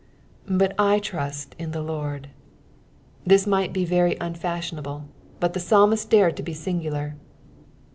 " But I trvU in tha Lord.''^ This might be very unfashionaole, but the psalmist dared to be nngulnr.